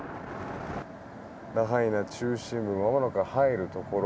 ラハイナ中心部まもなく入るところ。